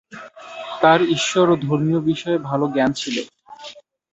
তার ঈশ্বর ও ধর্মীয় বিষয়ে ভালো জ্ঞান ছিল।